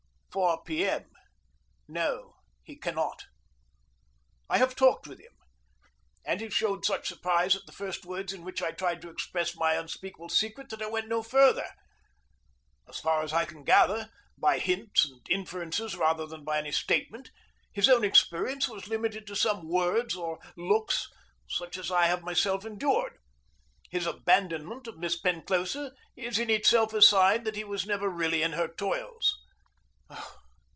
4 P. M. No, he cannot. I have talked with him, and he showed such surprise at the first words in which I tried to express my unspeakable secret that I went no further. As far as I can gather (by hints and inferences rather than by any statement), his own experience was limited to some words or looks such as I have myself endured. His abandonment of Miss Penclosa is in itself a sign that he was never really in her toils.